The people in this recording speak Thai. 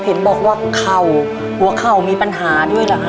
เห็นบอกว่าเข่าหัวเข่ามีปัญหาด้วยเหรอฮะ